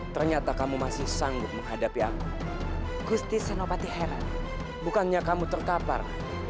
ternyata kamu masih sanggup menghadapi aku gusti senopati heran bukannya kamu terkapar